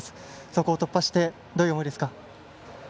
そこを突破してどういう思いですか。